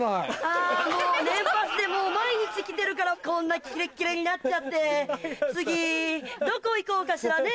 あもう年パスで毎日来てるからこんなキレッキレになっちゃって次どこ行こうかしらね？